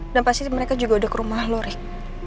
dan pasti mereka juga udah ke rumah lo rit